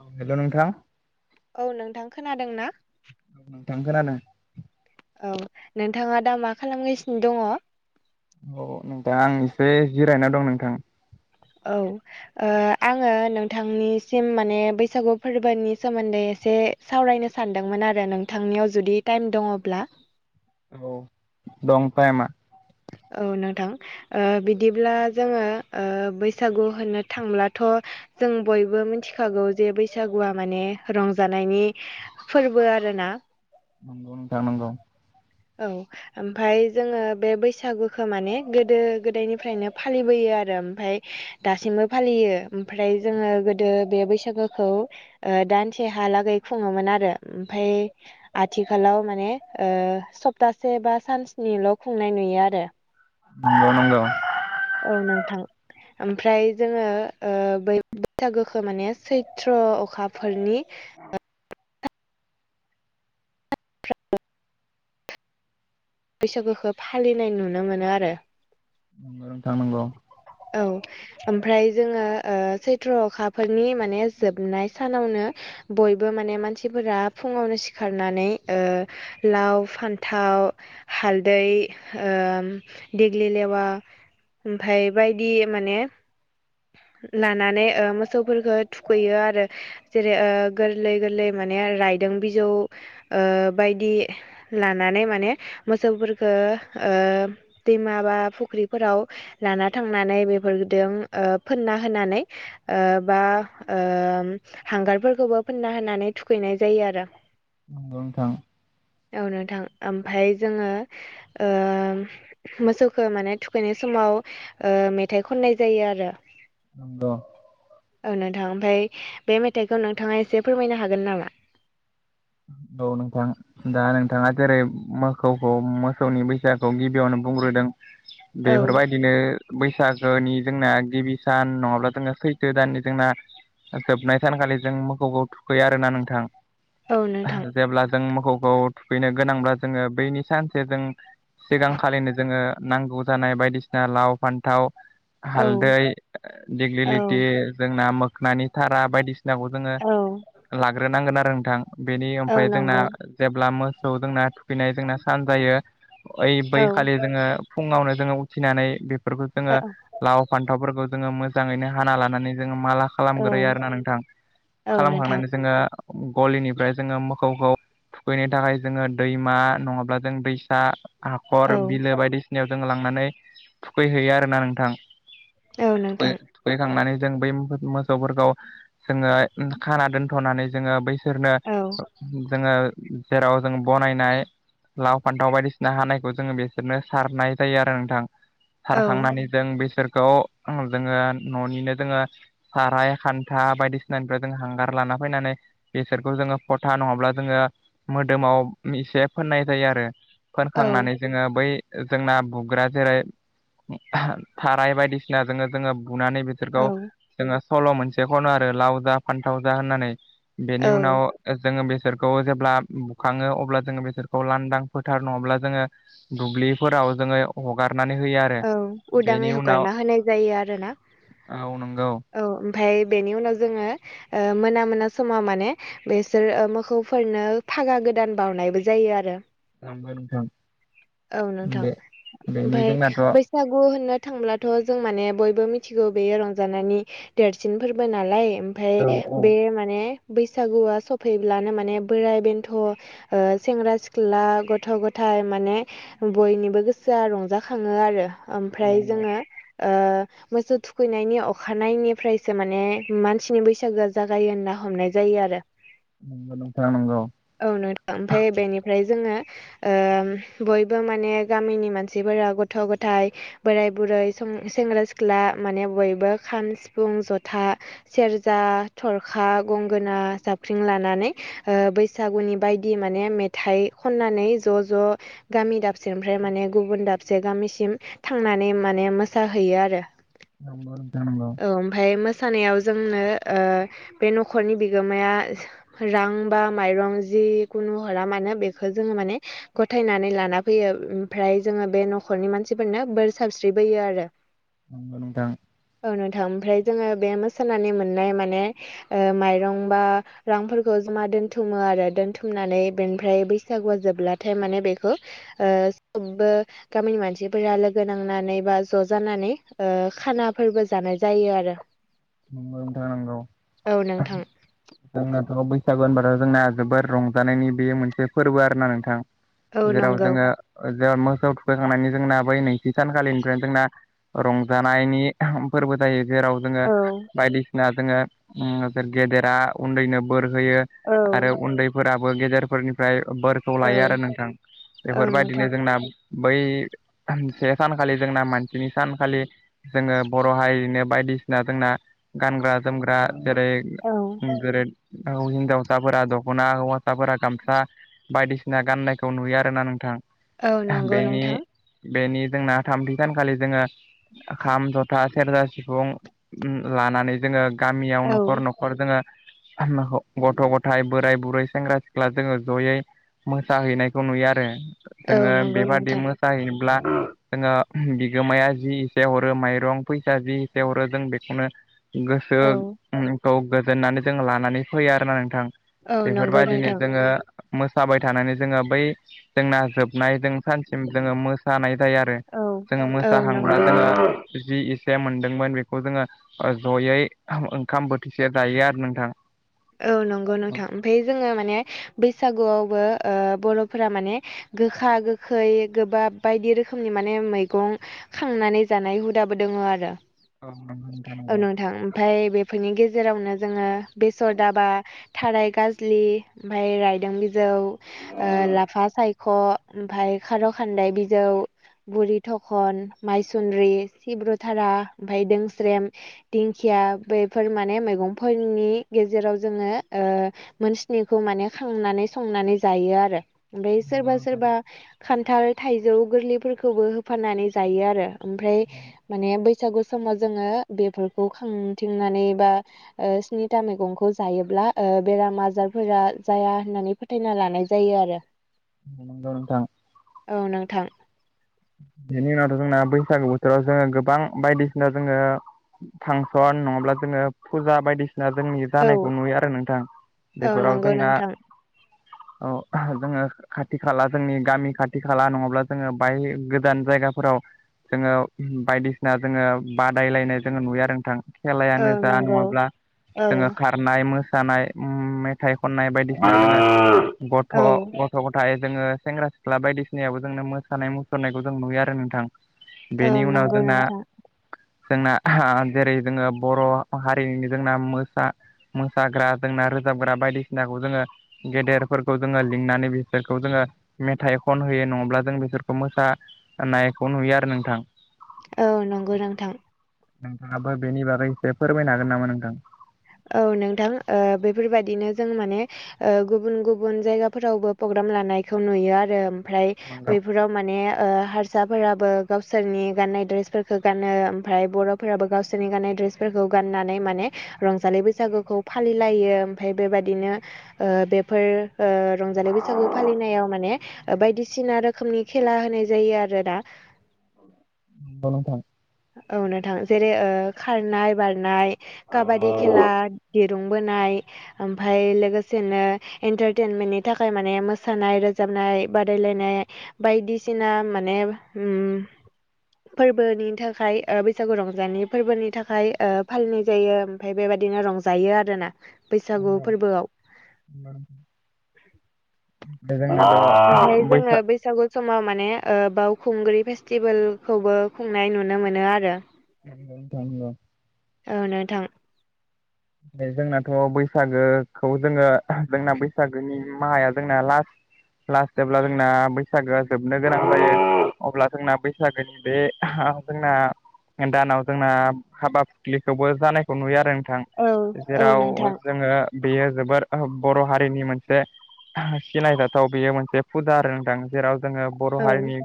औ हेल' नोंथां औ नोंथां खोनादों ना औ नोंथां खोनादों औ नोंथाङा दा मा खालामगासिनो दङ औ नोंथां आं एसे जिरायना दं नोंथां औ ओ आङो नोंथांनिसिम माने बैसागु फोरबोनि सोमोनदै एसे सावरायनो सानदोंमोन आरो नोंथांनियाव जुदि टाइम दङब्ला औ दं टाइमया औ नोंथां ओ बिदिब्ला जोङो ओ बैसागु होननो थांब्लाथ' जों बयबो मिथिखागौ जे बैसागुआ माने रंजानायनि फोरबो आरोना नंगौ नोंथां नंगौ औ ओमफाय जोङो बे बैसागुखौ माने गोदो गोदायनिफ्रायनो फालिबोयो आरो ओमफाय दासिमबो फालियो ओमफ्राय जोङो गोदो बे बैसागोखौ ओ दानसे हालागै खुङोमोन आरो ओमफाय आथिखालाव माने ओ सप्तासे बा सानसे सानस्निल' खुंनाय नुयो आरो नंगौ नंगौ औ नोंथां ओमफ्राय जोङो ओ बै बैसागोखौ माने सैथ्र अखाफोरनि [unintelligible] बैसागुखौ फालिनाय नुनो मोनो आरो नंगौ नोंथां नंगौ औ ओमफ्राय जोङो ओ सैत्र ओ अखाफोरनि माने जोबनाय सानावनो बयबो माने मानसिफोरा फुङावनो सिखारनानै ओ लाव फानथाव हालदै ओ दिग्लि लेवा ओमफाय बायदि माने लानानै मोसौफोरखो थुखैयो आरो जेरै ए गोरलै गोरलै माने रायदों बिजौ ओ बायदि लानानै माने मोसौफोरखौ ओ दैमा बा फुख्रिफोराव लाना थांनानै बेफोरदों ओ फोनना होनानै ओ बा ओम हांगारफोरखौबो फोनना होनानै थुखैनाय जायो आरो नंगौ नोंथां औ नोथां ओमफ्राय जोङो ओम मोसौखौ माने थुखैनाय समाव ओ मेथाइ खननाय जायो आरो नंगौ औ नोंथां ओमफ्राय बे मेथाइखौ नोंथांङा एसे फोरमायनो हागोन नामा? औ नोंथां दा नोंथांङा जेरै मोसौखौ मोसौनि बैसागखौ गिबियावनो बुंग्रोदों औ बेफोरबायदिनो बैसागोनि जोंना गिबि सान नंङाब्ला जोंङो सैथो दाननि जोंना जोबनाय सानखालि जों मोखौखौ थुखैयो आरोना नोंथां औ नोंथां जेब्ला जों मोसौखौ थुखैनो गोनांब्ला जोंङो बैनि सानसे जों सिगांखालिनो जोंङो नांगौ जानाय बायदिसिना लाव फानथाव औ हालदै औ दिग्लिलिथि जोंना मोखोननि थारा बायदिसिना नाखौ जोंङो औ लाग्रोनांगोन आरो नोंथां बेनि औ ओमफ्राय जोंना नंगौ जेब्ला मोसौ जोंना थुखैनाय जोंना सान जायो ओइ औ बैखालि जोंङो फुङावनो जोंङो उथिनानै बेफोरखौ जोंङो औ लाव फानथावफोरखौ जोंङो मोजांङैनो हाना लानानै जोंङो माला औ खालामग्रोयो आरोना नोंथां औ नोंथां खालामखांनानै जोंङो गलिनिफ्राय जोंङो मोसौखौ फुखैनो थाखाय जोंङो दैमा नंङाब्ला जों दैसा हाखर औ बिलो बायदिसिनायाव जोंङो लांनानै थुखैहैयो आरोना नोंथां औ थुखै नोंथां थुखैखांनानै जों बै मोसौफोरखौ जोंङो खाना दोनथ'नानै जोंङो बैसोरनो औ जोंङो जेराव जों बनायनाय लाव फान्थाव बायदिसिना हानायखौ जोङो बिसोरनो सारनाय जायो आरो नोंथां औ सारखांनानै जों बिसोरखौ जोंङो न'निनो जोंङो साराय खान्था बायदिसिनानिफ्राय जों हांगार लाना फैनानै बेसोरखौ जोंङो खथा नंङाब्ला जोंङो मोदोमाव एसे फोननाय जायो आरो औ फोनखांनानै जोंङो बै जोंना बुग्रा जेरै थाराय बायदिसिनाजों जोंङो बुनानै बिसोरखौ औ जोंङो सल' मोनसे खनो आरो लाव जा फान्थाव जा होननानै बेनि औ उनाव जोंङो बेसोरखौ जेब्ला बुखाङो अब्ला जोंङो बेसोरखौ लांदां फोथार नंङाब्ला जोंङो दुब्लिफोराव जोंङो हगारनानै होयो आरो औ उदाङै बेनि उनाव हगारना होनाय जायो आरोना औ नंगौ औ ओमफ्राय बेनि उनाव जोंङो ओ मोना मोना समाव माने बेसोर मोसौफोरनो फागा गोदान बावनायबो जायो आरो नंगौ नोंथां औ नोंथां बे बेनि ओमफाय जोंनाथ' औ बैसागु होननो थांब्लाथ' जों माने बयबो मिथिगौ बेयो रंजानि देरसिन फोरबो नालाय ओमफाय औ बे माने बैसागुआ सफैब्लानो माने बोराय बेन्थ' सेंग्रा सिख्ला गथ' गथायाइ माने बयनिबो गोसोआ रंजाखाङो आरो ओमफ्राय नंगौ जोङो मोसौ थुखैनायनि अखानायनायनिफ्रायसो माने मानसिनि बैसागोआ जागायो होनना हमनाय जायो आरो [inaudible] नंगौ नोंथां नंगौ औ नोंथां ओमफ्राय बेनिफ्राय जोंङो बयबो माने गामिनि मानसिफोरा गथ' गथ थाय बोराय बुरै सेंग्रा सिख्ला माने बयबो खाम सिफुं जथा सेरजा थरखा गंगोना जाबख्रिं लानानै बैसागुनि बायदि माने मेथाइ खननानै ज' ज' गामि दाबसेनिफ्राय माने गुबुन दाबसे गामिसिम थांनानै माने मोसाहैयो आरो नंगौ नोंथां नंगौ ओमफ्राय मोसानायाव जोंनो बे न'खरनि बिगोमाया रां बा माइरं जिखुनु हरा मानो बेखौ जोंङो माने गथायनानै लाना फैयो ओमफ्राय जोंङो बे न'खरनि मानसि मानसिफोरना बोर साबस्रिबोयो आरो नंगौ नोंथां औ नोंथां ओमफ्राय जोंङो बे मोसानानै मोननाय माने माइरं बा रांफोरखौ जमा दोनथुमो आरो दोनथुमनानै बेनिफ्राय बैसागुआ जोबब्लाथाय माने बेखौ ओ सबबो गामिनि मानसि बा लोगो नांनानै बा ज' जानानै खानाफोरबो जानाय जायो आरो नंगौ नोंथां नंगौ औ नोंथां जोंनाथ' बैसागु होनबाथ' जोंना जोबोद रंजानायनि बे मोनसे फोरबो आरो ना नोंथां औ जेराव नंगौ जोंङो जेर मोसौ थुखैखांनानै जोंना बै नैथि सानखालिनिफ्रायनो जोंना रंजानायनि फोरबो जायो जेराव जोंङो औ बायदिसिना जोङो गेदेरा उन्दैनो बोर होयो औ आरो उन्दै फोराबो गेजेरफोरनिफ्राय बोरखौ औ लायो आरो नोंथां औ बेफोरबायदिनो नोंथां जोंना बै से सानखालि जोंना मानसिनि सानखालि जोङो बर' हारिनो बायदिसिना जोंना गानग्रा जोमग्रा जेरै औ जरै हिनजावसाफोरा दख'ना हौवासाफोरा गामसा बायदिसिना गाननायखौ नुयो आरोना नोंथां औ नंगौ बेनि नोंथां बेनि जोंना थामथि सानखालि जोङो खाम जथा सेरजा सिफुं लानानै जोङो गामियाव न'खर औ न'खर जोङो [unintelligible] गथ' गथाय बोराय बुरै सेंग्रा सिख्ला जोङो जयै मोसाहैनायखौ नुयो आरो औ जोङो नंगौ बेबादि नोंथां मोसा जाहैब्ला जोङो बिगोमाया जि एसे हरो माइरं फैसा जि एसे हरो जों बेखौनो औ गोसोखौ गोजोननानै जों लानानै फैयो आरोना नोंथां औ नंगौ बेफोरबायदिनो नोंथां जोङो मोसाबाय थानानै जोङो बै जोंना जोबनायजों सानसिम जोङो मोसानाय जायो आरो औ जोङो औ मोसाहांब्ला नंगौ जोङो जि एसे मोनदोंमोन बे खौ जोंङो जयै ओंखाम बोथिसे जायो आरो नोंथां औ नंगौ औ नोंथां ओमफ्राय जोंङो माने बैसागुआवबो बर'फोरा माने गोखा गोखै गोबाब बायदि रोखोमनि माने मैगं खांनानै जानाय हुदाबो दोङो आरो औ नंगौ नोंथां औ नंगौ नोंथां ओमफ्राय बेफोरनि गेजेरावनो जोङो बे सदाबा थाराय गाज्लि ओमफ्राय रायदों बिजौ लाफा सायख' ओमफफ्राय खार' खान्दाय बिजौ बुरि थखन मायसन्द्रि सिब्रुथारा ओमफ्राय दोंस्रेम दिंखिया बेफोर माने मैगंफोरनि गेजेराव जोङो मोनसनिखौ माने खांनानै संनानै जायो आरो ओमफ्राय नंगौ सोरबा नोंथां सोरबा खान्थाल थाइजौ गोरलैफोरखौबो होफानानै जायो आरो ओमफ्राय माने बै बैसागु समाव जोङो बेफोरखौ खांथिंनानै बा स्नि फिथा मैगंखौ जायोब्ला बेराम आजारफोरा जाया होननानै फोथायना लानाय जायो आरो [inaudible] नंगौ नोंथां औ नोंथां बेनि उनावथ' जोंना बैसागु बोथोराव जोङो गोबां बायदिसिना जोङो फांसन नङाब्ला जोङो फुजा बायदिसिना जोंनि औ जानायखौ नुयो आरो नोंथां औ बेफोराव नंगौ जोंना नोंथां औ जोङो खाथि खाला जोंनि गामि खाथि खाला नङाब्ला जोङो बाय गोदान जायगाफोराव जोङो बायदिसिना जोङो बादायलायनाय जोङो नुयो आरो नोंथां औ खेलायानो जा नंगौ नङाब्ला औ जोङो खा रनाय मोसानाय मेथाइ खननाय बायदि [unintelligible] गथ' औ गथ' गथाय जोङो सेंग्रा सिख्ला बायदिसिनायाबो जोंनो मोसानाय मुसुरनायखौ जों नुयो आरो नोंथां औ बेनि उनाव नंगौ जोंना नोंथां जोंना [unintelligible] जेरै जोङो बर' हारिनि जोंना मोसा मोसाग्रा जोंना रोजाबग्रा बायदिसिनाखौ जोङो गेदेरफोरखौ जोङो लिंनानै बिसोरखौ जोङो मेथाइ खनहयो नङाब्ला जों बिसोरखौ मोसानायखौ नुयो आरो नोंथां औ नंगौ नोंथां नोंथाङाबो बेनि बागै एसे फोरमायनो हागोन नामा नोंथां औ नोंथां ओ बेफोरबादिनो जों माने ओ गुबुन गुबुन जायगाफोरावबो प्रग्राम लानायखौ नुयो आरो ओमफ्राय नंगौ बेफोराव माने ओ हा रसाफोराबो गावसोरनि गाननाय द्रेसफोरखौ गानो ओमफ्राय बर'फोराबो गावसोरनि गाननाय द्रेस फोरखौ गाननानै माने रंजालि बैसागुखौ फालिलायो ओमफ्राय बेबादिनो बेफोर ओ रंजालि बैसागु फालिनायाव माने बायदिसिना रोखोमनि खेला होनाय जायो आरोना नंगौ नोंथां औ नोंथां जेरै ओ खारनाय बारनाय काबादि खेला दिरुं बोनाय ओमफ्राय लोगोसेनो एन्टारटेनमेन्टनि थाखाय माने मोसानाय रोजाबनाय बादायलायनाय बायदिसिना माने उम फोरबोनि थाखाय थाखाय ओ बैसागु रंजालि फोरबोनि थाखाय ओ फालिनाय जायो ओमफ्राय बेबायदिनो रंजायो आरोना बैसागु फोरबोआव उम जोंनाथ' ओमफ्राय जोङो बैसाग बैसागु समाव माने ओ बावखुंग्रि फेस्टिभेलखौबो खुंनाय नुनो मोनो आरो नों थां औ नोंथां बे जोंनाथ' बैसागोखौ जोङो जोंना बैसागोनि माहाया जोंना लास्ट लास जेब्ला जोंना बैसागोआ जोबनो गोनां जायो अब्ला जोंना बैसागोनि बे जोंना दानाव जोंना हाबा फुथलिखौबो जानायखौ नुयो आरो नोंथां औ औ जेराव नोंथां जोङो बेयो जोबोर बर' हारिनि मोनसे सिनायजाथाव बेयो मोनसे हुदा आरो नोंथां जेराव जोङो बर' औ हारिनि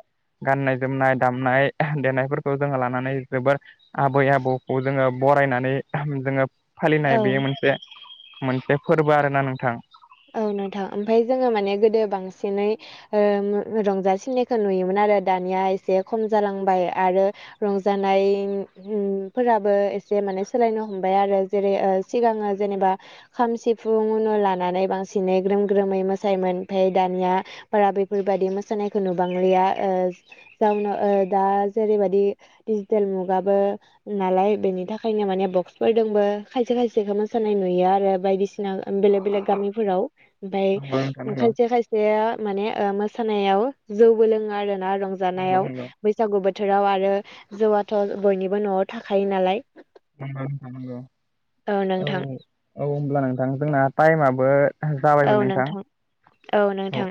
गाननाय जोमनाय दामनाय देनायफोरखौ जोङो लानानै जोबोर आबै आबौखौ जोङो बरायनानै जोङो फालिनाय बेयो औ मोनसे मोनसे फोरबो आरोना नोंथां औ नोंथां ओमफ्राय जोङो माने गोदो बांसिनै ओ रंजासिननायखौ नुयोमोन आरो दानिया एसे खम जालांबाय आरो रंजानायफोराबो एसे माने सोलायनो हमबाय आरो जेरै ओ सिगाङो जेनेबा खाम सिफुं लानानै बांसिनै ग्रोम ग्रोमै मोसायोमोन ओमफ्राय दानिया बारा बेफोरबायदि मोसानायखौ नुबांलिया ओ जाउनाव दा जेरैबायदि डिजिटेल मुगाबो नालाय बेनि थाखायनो माने बक्सफोरदोंबो खायसे खायसेखौ मोसानाय नुयो आरो बायदिसि ना बेलेग बेलेग गामिफोराव ओमफ्राय नंगौ नोंथां नंगौ खायसे खायसे खायसेया माने ओ मोसानायाव जौबो लोङो आरोना नंगौ रंजानायाव नंगौ बैसागु बोथोराव आरो जौआथ' बयनिबो न'आव थाखायो नालाय नंगौ नोंथां नंगौ औ औ होनब्ला नोंथां जोंना टाइमाबो जाबायमोन नोंथां औ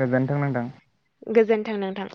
गोजोनथों नोंथां। गोजोन्थों नोंथां